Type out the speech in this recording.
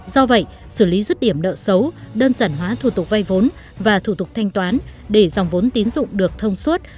do vậy xử lý rứt điểm nợ xấu đơn giản hóa thủ tục vay vốn và thủ tục thanh toán để dòng vốn tín dụng được thông suốt